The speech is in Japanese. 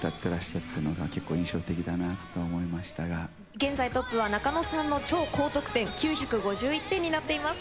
現在トップは中野さんの超高得点９５１点になってます。